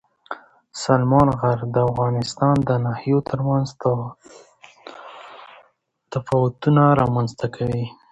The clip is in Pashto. سلیمان غر د افغانستان د ناحیو ترمنځ تفاوتونه رامنځته کوي.